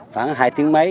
khoảng hai tiếng mấy